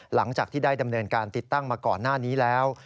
หลังจากที่ได้ดำเนินการติดตั้งมาก่อนหน้านี้แล้ว